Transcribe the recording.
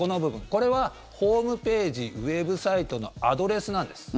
これはホームページウェブサイトのアドレスなんです。